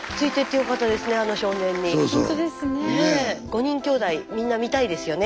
５人きょうだいみんな見たいですよね。